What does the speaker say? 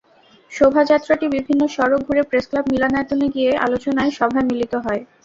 শোভাযাত্রাটি বিভিন্ন সড়ক ঘুরে প্রেসক্লাব মিলনায়তনে গিয়ে আলোচনা সভায় মিলিত হয়।